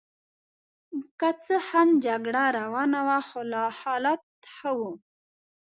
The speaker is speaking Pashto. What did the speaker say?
که څه هم جګړه روانه وه خو حالات ښه وو.